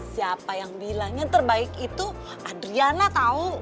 siapa yang bilangnya terbaik itu adriana tau